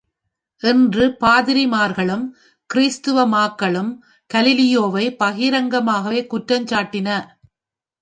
என்று, பாதிரிமார்களும், கிறித்துவ மார்க்கமும் கலீலியோவை பகிரங்கமாகவே குற்றம் சாட்டின.